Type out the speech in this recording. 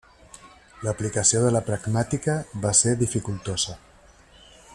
L'aplicació de la pragmàtica va ser dificultosa.